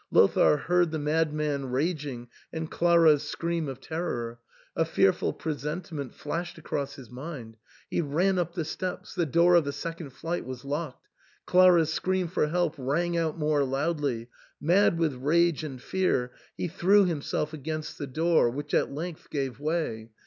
Lothair heard the madman raging and Clara's scream of terror: a fearful presentiment flashed across his mind. He ran up the steps ; the door of the second flight was locked. Clara's scream for help rang out more loudly. Mad with rage and fear, he threw himself against the door, which at length gave way.